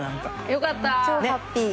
よかった。